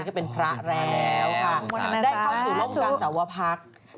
ร่วมการสวพักส์